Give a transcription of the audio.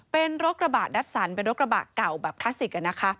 เป็นโรคระบาดดัชสรรค์เป็นโรคระบาดเก่าแบบคลาสสิก